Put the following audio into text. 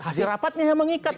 hasil rapatnya yang mengikat